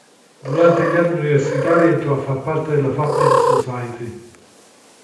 Durante gli anni universitari entrò a far parte della Fabian Society.